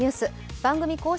番組公式